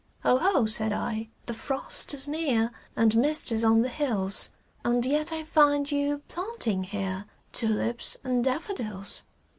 "O ho!" said I, "the frost is near And mist is on the hills, And yet I find you planting here Tulips and daffodils."